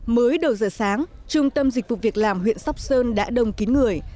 mới đầu giờ sáng trung tâm dịch vụ việc làm huyện sóc sơn đã đồng ký người